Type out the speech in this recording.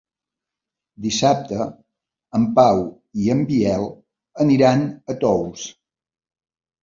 Dissabte en Pau i en Biel aniran a Tous.